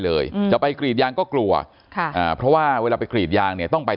เลยจะไปกรีดยางก็กลัวค่ะอ่าเพราะว่าเวลาไปกรีดยางเนี่ยต้องไป